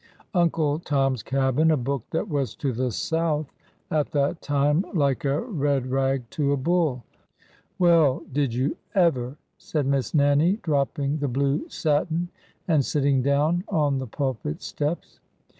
'"'' Uncle Tom's Cabin !" a book that was to the South at that time like a red rag to a bull ! ''Well, did you ever!" said Miss Nannie, dropping the blue satin and sitting down on the pulpit steps.